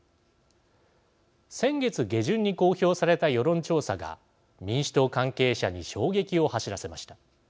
先月下旬に公表された世論調査が民主党関係者に衝撃を走らせました。